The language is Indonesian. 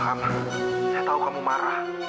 ilham saya tahu kamu marah